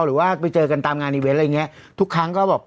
หรือว่าไปเจอกันตามงานอีเวสอะไรอย่างนี้